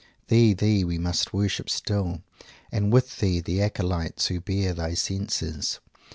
Thee, thee we must worship still, and with thee the acolytes who bear thy censers!